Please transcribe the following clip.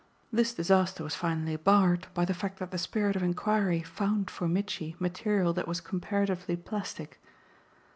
This disaster was finally barred by the fact that the spirit of enquiry found for Mitchy material that was comparatively plastic.